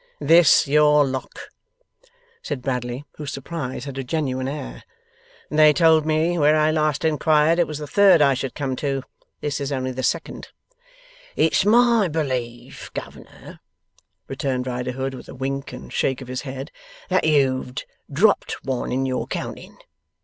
'THIS your Lock?' said Bradley, whose surprise had a genuine air; 'they told me, where I last inquired, it was the third I should come to. This is only the second.' 'It's my belief, governor,' returned Riderhood, with a wink and shake of his head, 'that you've dropped one in your counting.